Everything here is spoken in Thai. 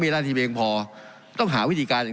เขาก็ง๗๕๐พอต้องหาวิธีการเอง